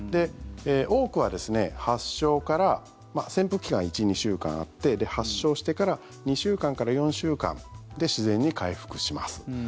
多くは発症から潜伏期間が１２週間あって発症してから２週間から４週間で自然に回復します。